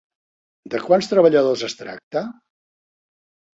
De quants treballadors es tracta?